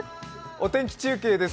お天気中継です。